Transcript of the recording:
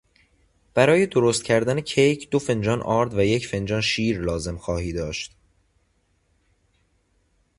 برای درست کردن کیک دو فنجان آرد و یک فنجان شیر لازم خواهی داشت.